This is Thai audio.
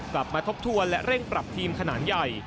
บททบทวนและเร่งปรับทีมขนาดใหญ่